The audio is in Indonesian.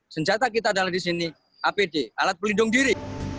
senjata kita adalah di sini apd alat pelindung diri